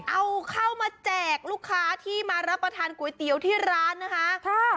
เอาเข้ามาแจกลูกค้าที่มารับประทานก๋วยเตี๋ยวที่ร้านนะคะ